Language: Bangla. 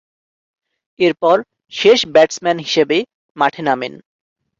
এরপর শেষ ব্যাটসম্যান হিসেবে মাঠে নামেন।